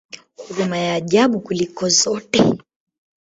Huruma ya ajabu kuliko zote!